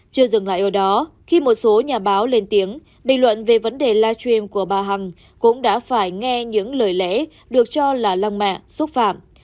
chưa dừng lại ở đó khi một số nhà báo lên tiếng bình luận về vấn đề live stream của bà hằng cũng đã phải nghe những lời lẽ được cho là lăng mạ xúc phạm